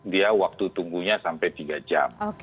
dia waktu tunggunya sampai tiga jam